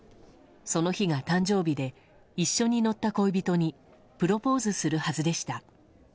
その日が誕生日で一緒に乗った恋人にプロポーズするはずでした。